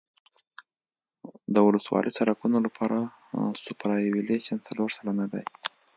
د ولسوالي سرکونو لپاره سوپرایلیویشن څلور سلنه دی